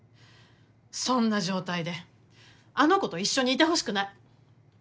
そんな状態であの子と一緒にいてほしくない。